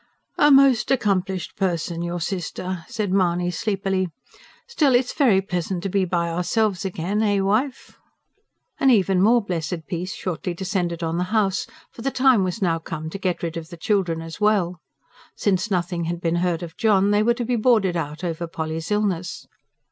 "A most accomplished person, your sister!" said Mahony sleepily. "Still, it's very pleasant to be by ourselves again eh, wife?" An even more blessed peace shortly descended on the house; for the time was now come to get rid of the children as well. Since nothing had been heard of John, they were to be boarded out over Polly's illness.